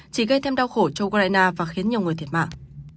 chỉ gây thêm đau khổ cho ukraine và khiến nhiều người thiệt mạng